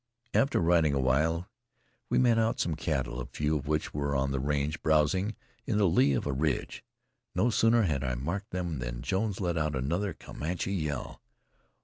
After riding a while we made out some cattle, a few of which were on the range, browsing in the lee of a ridge. No sooner had I marked them than Jones let out another Comanche yell.